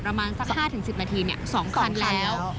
ประมาณสัก๕๑๐นาที๒วันแล้ว